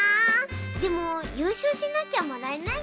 でもゆうしょうしなきゃもらえないの？